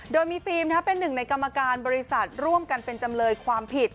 โดยมีฟิล์มเป็นหนึ่งในกรรมการบริษัทร่วมกันเป็นจำเลยความผิด